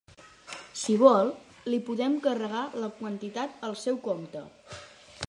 Si vol, li podem carregar la quantitat al seu compte.